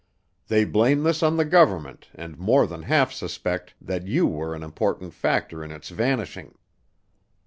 They blame this on the government and more than half suspect that you were an important factor in its vanishing.